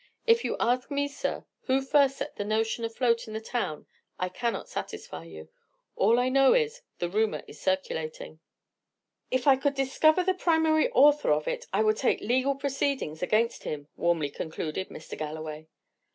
If you ask me, sir, who first set the notion afloat in the town, I cannot satisfy you. All I know is, the rumour is circulating." "If I could discover the primary author of it, I would take legal proceedings against him," warmly concluded Mr. Galloway.